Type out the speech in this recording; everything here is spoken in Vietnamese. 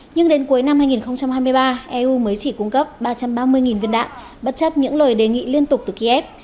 nhưng đến cuối năm hai nghìn hai mươi ba eu mới chỉ cung cấp ba trăm ba mươi viên đạn bất chấp những lời đề nghị liên tục từ kiev